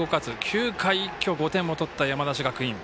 ９回、一挙５点を取った山梨学院。